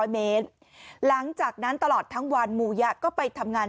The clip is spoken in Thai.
เมตรหลังจากนั้นตลอดทั้งวันหมู่ยะก็ไปทำงาน